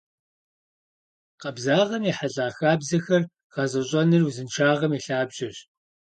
Къабзагъэм ехьэлӏа хабзэхэр гъэзэщӏэныр узыншагъэм и лъабжьэщ.